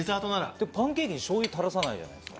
でもパンケーキにおしょうゆ、たらさなくないですか？